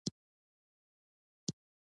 متني نقد له ادبي نقده بېل دﺉ.